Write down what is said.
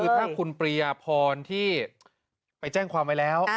คือถ้าคุณปริยพรที่ไปแจ้งความไว้แล้ว